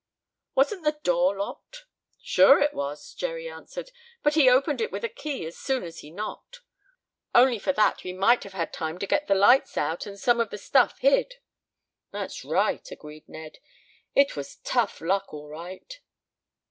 "Wasn't the door locked?" "Sure it was!" Jerry answered. "But he opened it with a key as soon as he knocked. Only for that we might have had time to get the lights out and some of the stuff hid." "That's right," agreed Ned. "It was tough luck, all right."